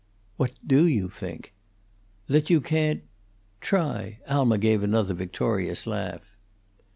"What do you think?" "That you can't try." Alma gave another victorious laugh.